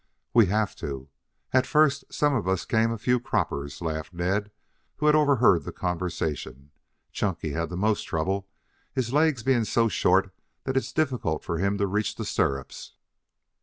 "We have to. At first some of us came a few croppers," laughed Ned, who had overheard the conversation. "Chunky had the most trouble, his legs being so short that it's difficult for him to reach the stirrups."